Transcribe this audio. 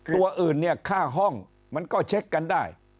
ตัวอื่นเนี่ยค่าห้องมันก็เช็คกันได้